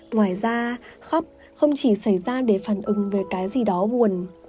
ngoài ra khắp không chỉ xảy ra để phản ứng về cái gì đó buồn